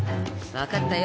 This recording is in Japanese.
わかったよ